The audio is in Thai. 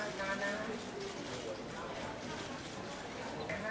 ขอบคุณค่ะ